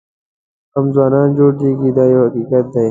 هم ځوانان جوړېږي دا یو حقیقت دی.